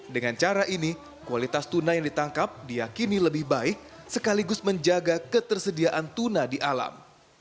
dengan cara ini kualitas tuna yang ditangkap diakini lebih baik sekaligus menjaga ketersediaan tuna di alam